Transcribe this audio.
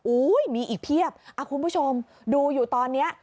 มีอีกเพียบคุณผู้ชมดูอยู่ตอนนี้